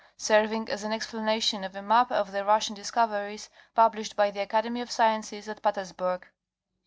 Serving as an explanation of a map of the Russian discoveries, published by the Academy of Sciences at Petersburgh, [ete.